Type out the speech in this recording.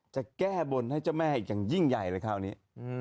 จะแก้บนให้เจ้าแม่อีกอย่างยิ่งใหญ่เลยคราวนี้